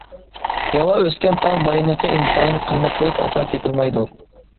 ياۋا ئۆسكەن تاغ باينىقى ئىنتايىن قىممەت بولۇپ ئاسان تېپىلمايدۇ.